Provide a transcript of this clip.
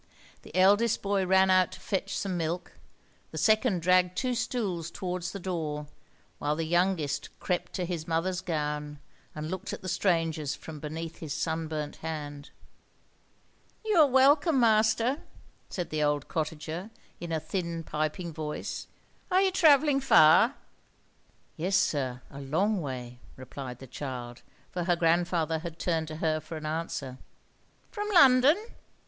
The eldest boy ran out to fetch some milk, the second dragged two stools towards the door, while the youngest crept to his mother's gown, and looked at the strangers from beneath his sunburnt hand. "You are welcome, master," said the old cottager, in a thin, piping voice. "Are you travelling far?" "Yes, sir; a long way," replied the child, for her grandfather had turned to her for an answer. "From London?"